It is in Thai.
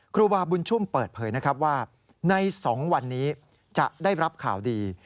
ครูบาบุญชุ่มเปิดเผยนะครับว่าใน๒วันนี้จะได้รับข่าวดี